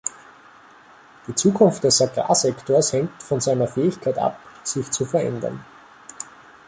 Die Zukunft des Agrarsektors hängt von seiner Fähigkeit ab, sich zu verändern.